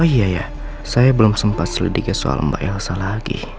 iya saya belum sempat selidiki soal mbak elsa lagi